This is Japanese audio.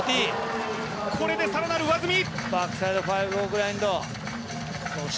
これで更なる上積み。